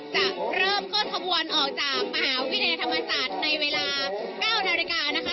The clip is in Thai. จะเริ่มก็ทบวนออกจากมหาวิทยาธรรมศาสตร์ในเวลา๙นาฬิกานะคะ